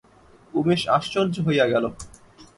উমেশ আশ্চর্য হইয়া গেল।